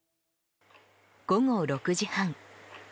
午後６時半。